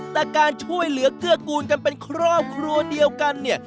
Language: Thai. แต่การช่วยเหลือเกื้อกูลกันเป็นครอบครัวเดียวกันเนี่ย